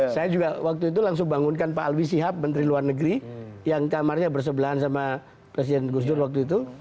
saya juga waktu itu langsung bangunkan pak alwi sihab menteri luar negeri yang kamarnya bersebelahan sama presiden gus dur waktu itu